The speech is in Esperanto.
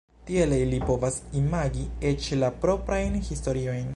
Tiele ili povas imagi eĉ la proprajn historiojn.